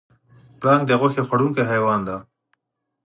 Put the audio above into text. پړانګ د غوښې خوړونکی حیوان دی.